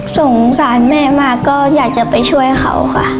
สงสารแม่มากก็อยากจะไปช่วยเขาค่ะ